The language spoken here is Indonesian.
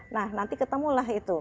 nah nanti ketemulah itu